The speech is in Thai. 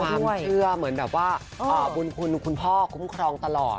เชื่อเหมือนแบบว่าบุญคุณคุณพ่อคุ้มครองตลอด